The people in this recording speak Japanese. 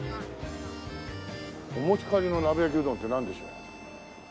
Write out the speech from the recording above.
お持ち帰りの鍋焼きうどんってなんでしょう？